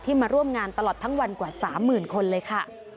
มาร่วมงานตลอดทั้งวันกว่า๓๐๐๐คนเลยค่ะ